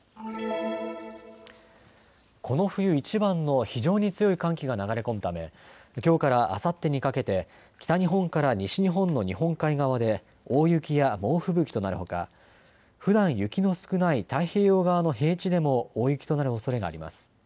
この冬いちばんの非常に強い寒気が流れ込むため、きょうからあさってにかけて北日本から西日本の日本海側で大雪や猛吹雪となるほかふだん雪の少ない太平洋側の平地でも大雪となるおそれがあります。